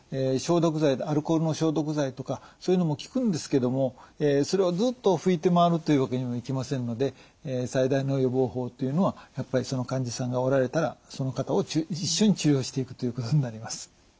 アルコールの消毒剤とかそういうのも効くんですけどもそれをずっと拭いて回るっていうわけにもいきませんので最大の予防法っていうのはやっぱりその患者さんがおられたらその方を一緒に治療していくということになります。